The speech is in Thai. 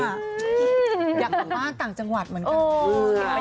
อยากอยู่บ้านต่างจังหวัดเหมือนกัน